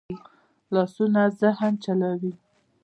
لاسونه ذهن چلوي